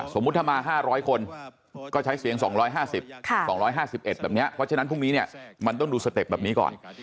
สมมุติถ้ามา๕๐๐คนก็ใช้เสียง๒๕๐๒๕๑แบบนี้เพราะฉะนั้นพรุ่งนี้เนี่ยมันต้องดูสเต็ปแบบนี้ก่อน